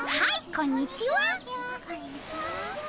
こんにちは。